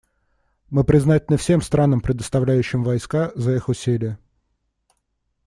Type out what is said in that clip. Мы признательны всем странам, предоставляющим войска, за их усилия.